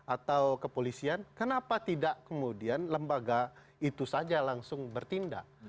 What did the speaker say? atau kepolisian kenapa tidak kemudian lembaga itu saja langsung bertindak